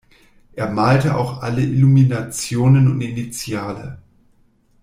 Er malte auch alle Illuminationen und Initiale.